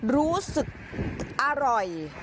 รู้สึกอร่อย